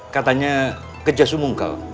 katanya ke jasumungkal